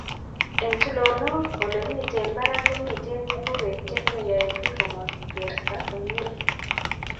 eng tulondok, olemiten barak komiten kiburutyet neyoe biik komagerso komnyei